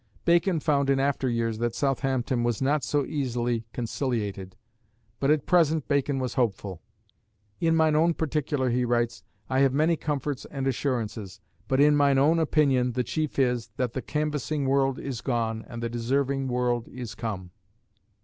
Bacon found in after years that Southampton was not so easily conciliated. But at present Bacon was hopeful: "In mine own particular," he writes, "I have many comforts and assurances; but in mine own opinion the chief is, that the canvassing world is gone, and the deserving world is come."